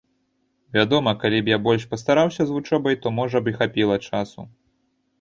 Вядома, калі б я больш пастараўся з вучобай, то можа б і хапіла часу.